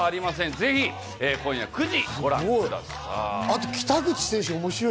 ぜひ今夜９時ご覧ください。